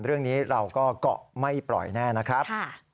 เรื่องนี้เราก็เกาะไม่ปล่อยแน่นะครับ